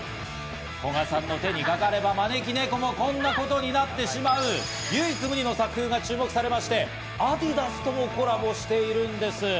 古賀さんの手にかかれば招き猫もこんなことになってしまう、唯一無二の作風が注目されまして、ａｄｉｄａｓともコラボしているんです。